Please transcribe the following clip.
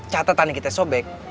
catatannya kita sobek